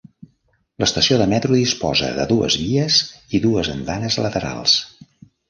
L'estació de metro disposa de dues vies i dues andanes laterals.